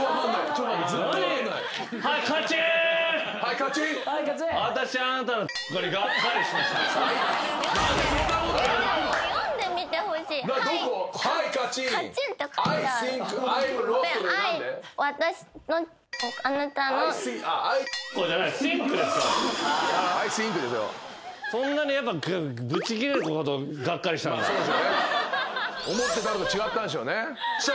思ってたのと違ったんでしょうね。